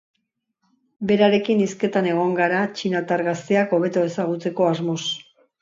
Berarekin hizketan egon gara txinatar gazteak hobeto ezagutzeko asmoz.